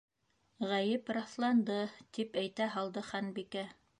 —Ғәйеп раҫланды, —тип әйтә һалды Ханбикә.